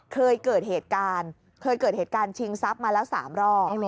เคยเกิดเหตุการณ์ชิงซับมาแล้ว๓รอ